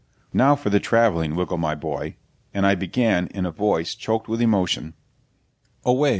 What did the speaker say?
'Now for the travelling, Wiggle my boy!' And I began, in a voice choked with emotion 'Away!